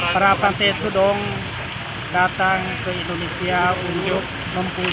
karena api itu datang ke indonesia untuk mempunyai